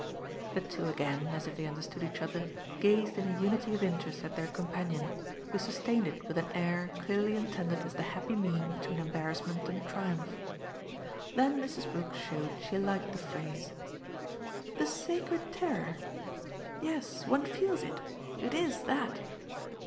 The two again, as if they understood each other, gazed in a unity of interest at their companion, who sustained it with an air clearly intended as the happy mean between embarrassment and triumph. Then Mrs. Brook showed she liked the phrase. "The sacred terror! Yes, one feels it. It IS that."